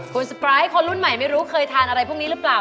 คุณสปายคนรุ่นใหม่ไม่รู้เคยทานอะไรพวกนี้หรือเปล่า